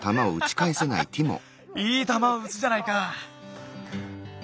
いいたまをうつじゃないか！